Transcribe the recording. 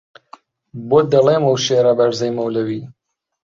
بۆت دەڵێم ئەو شێعرە بەرزەی مەولەوی